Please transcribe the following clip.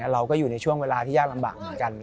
เราก็อยู่ในช่วงเวลาที่ยากลำบากเหมือนกัน